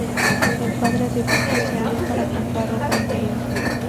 El padre de Billy salió para comprar ropa interior.